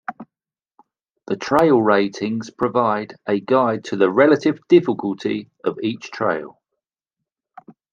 The trail ratings provide a guide to the relative difficulty of each trail.